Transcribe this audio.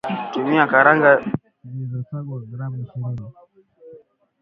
tumia karanga zilizosangwa gram ishirini